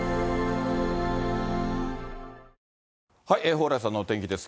蓬莱さんのお天気です。